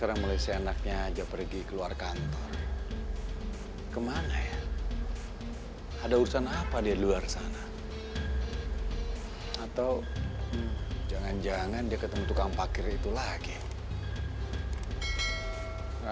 ariana sudah tidak nonton waktu tadi dia kedua hari itu mbak tarik ini yang upgrade aku western category warna jijikan jokes hai gemben lo thompson spank cara terligu takut apa ada urusan hania nah barang organ